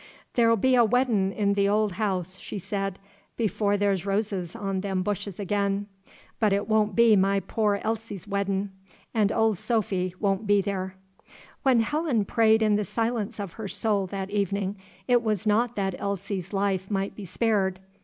"There'll be a weddin' in the ol house," she said, "before there's roses on them bushes ag'in. But it won' be my poor Elsie's weddin', 'n' ol' Sophy won' be there." When Helen prayed in the silence of her soul that evening, it was not that Elsie's life might be spared.